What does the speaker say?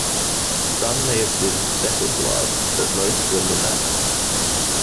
Some may have lived settled lives, but most were nomadic.